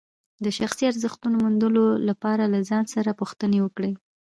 د شخصي ارزښتونو موندلو لپاره له ځان څخه پوښتنې وکړئ.